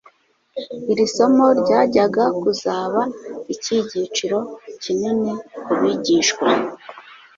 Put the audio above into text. Iri somo ryajyaga kuzaba icy'igiciro kinini ku bigishwa.